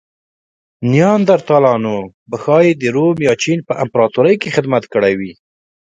نیاندرتالانو به ښايي د روم یا چین امپراتورۍ کې خدمت کړی وی.